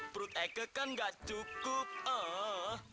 perut eke kan gak cukup oh